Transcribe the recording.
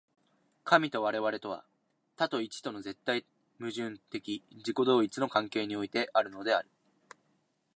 神と我々とは、多と一との絶対矛盾的自己同一の関係においてあるのである。